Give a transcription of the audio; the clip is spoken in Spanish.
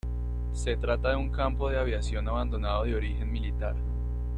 Se trata de un campo de aviación abandonado de origen militar.